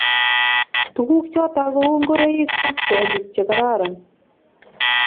tuguk choton ko u ngoroik ak kwenik che kararan